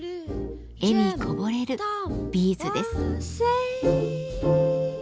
笑みこぼれるビーズです。